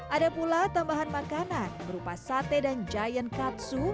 ada pula tambahan makanan berupa sate dan giant katsu